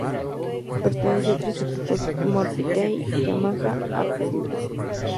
Perteneció a tres equipos: Morbidelli, Yamaha y Aprilia.